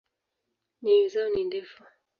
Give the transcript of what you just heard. Nyayo zao ni ndefu.